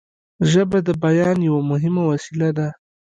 ژبه د بیان یوه مهمه وسیله ده